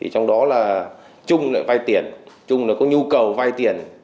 trong đó là trung lại vai tiền trung có nhu cầu vai tiền